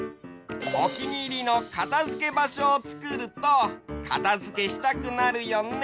おきにいりのかたづけばしょをつくるとかたづけしたくなるよね！